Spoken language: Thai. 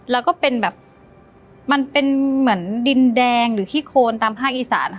แล้วก็มันเป็นเหมือนดินแดงหรือที่โคนตามภาคอีสาน